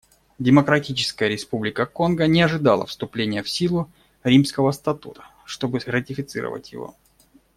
Демократическая Республика Конго не ожидала вступления в силу Римского статута, чтобы ратифицировать его.